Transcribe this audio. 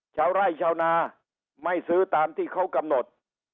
ชาวไร่ชาวนาไม่ซื้อตามที่เขากำหนด